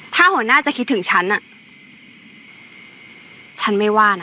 ถ้าหัวหน้าจะคิดถึงฉันฉันไม่ว่านะ